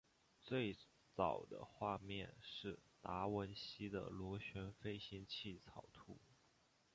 最早的画面是达文西的螺旋飞行器草图。